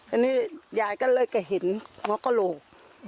อันนี้ยายก็เลยแกเห็นหัวกระโหลก